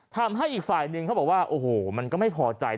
ทำให้อีกฝ่ายนึงเขาบอกว่าโอ้โหมันก็ไม่พอใจ